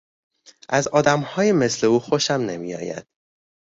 از آدمهای مثل او خوشم نمیآید.